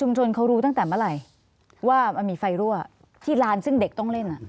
ว่ามันมีไฟรั่วที่ร้านซึ่งเด็กต้องเล่น